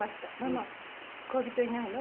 「ママ恋人いないの？」